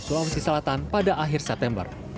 sulawesi selatan pada akhir september